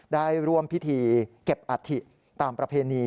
ได้ร่วมพิธีเก็บอัฐิตามประเพณี